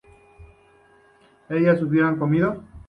¿ellas hubieron comido?